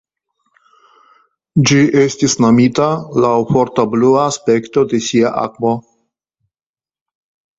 Ĝi estis nomita laŭ forta blua aspekto de sia akvo.